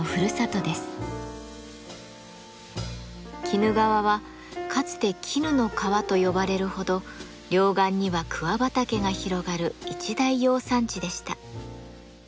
鬼怒川はかつて絹の川と呼ばれるほど両岸には桑畑が広がる一大養蚕地でした。